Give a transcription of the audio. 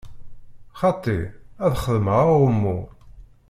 Xaṭi, ad xedmeɣ aɛummu.